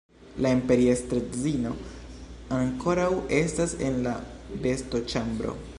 La imperiestredzino ankoraŭ estas en la vestoĉambro.